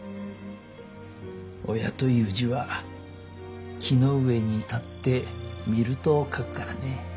「親」という字は木の上に立って見ると書くからね。